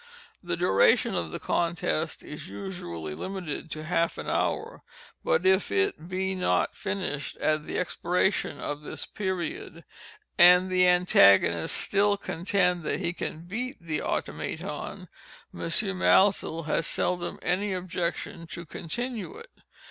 The duration of the contest is usually limited to half an hour, but if it be not finished at the expiration of this period, and the antagonist still contend that he can beat the Automaton, M. Maelzel has seldom any objection to continue it.